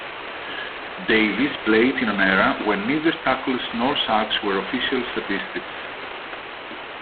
Davis played in an era when neither tackles nor sacks were official statistics.